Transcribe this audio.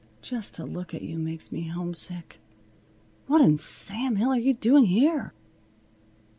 Just to look at you makes me homesick. What in Sam Hill are you doing here?"